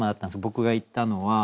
僕が行ったのは。